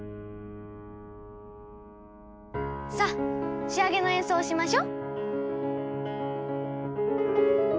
さあ仕上げの演奏をしましょ。